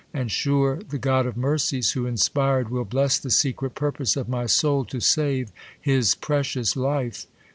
. And sure the God of mercies, who inspired, Will bless the secret purpose of my soul, To save his precious life.